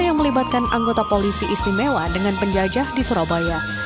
yang melibatkan anggota polisi istimewa dengan penjajah di surabaya